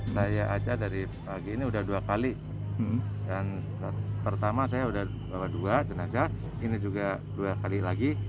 saya aja dari pagi ini udah dua kali dan pertama saya sudah bawa dua jenazah ini juga dua kali lagi